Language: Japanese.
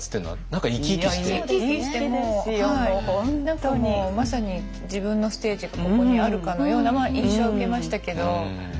何かもうまさに自分のステージがここにあるかのような印象は受けましたけど。